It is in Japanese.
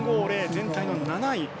全体の７位。